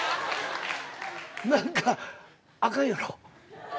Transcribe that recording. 何かあかんやろ？